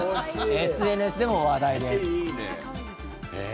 ＳＮＳでも話題です。